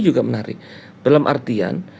juga menarik dalam artian